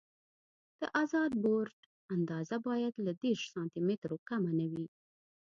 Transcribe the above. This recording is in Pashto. د ازاد بورډ اندازه باید له دېرش سانتي مترو کمه نه وي